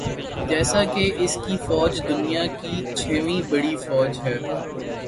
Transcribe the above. جیسا کہ اس کی فوج دنیا کی چھویں بڑی فوج ہے